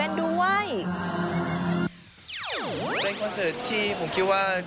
เป็นคอนเสิร์ตที่ผมคิดว่า